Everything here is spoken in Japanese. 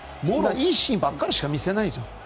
いいシーンばっかりしか見せないじゃん。